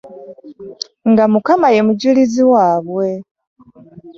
Nga mukama yemujulizi wabwe.